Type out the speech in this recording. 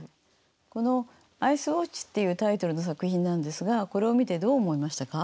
この「アイス・ウオッチ」っていうタイトルの作品なんですがこれを見てどう思いましたか？